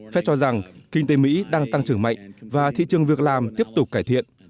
fed cho rằng kinh tế mỹ đang tăng trưởng mạnh và thị trường việc làm tiếp tục cải thiện